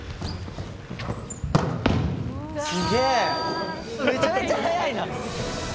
すげえ、めちゃめちゃ速いな。